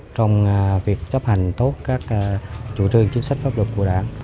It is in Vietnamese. trong việc chấp hành tốt các chủ trương chính sách pháp luật của đảng